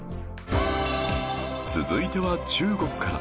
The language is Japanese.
続いては中国から